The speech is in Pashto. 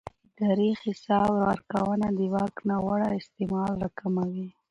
اداري حساب ورکونه د واک ناوړه استعمال راکموي